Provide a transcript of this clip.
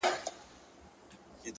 مهرباني د سختو زړونو یخ ماتوي,